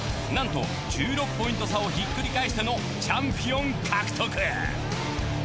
なんと１６ポイント差をひっくり返してのチャンピオン獲得。